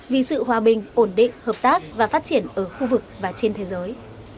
vì sự hòa bình ổn định hợp tác và phát triển ở khu vực và trên thế giới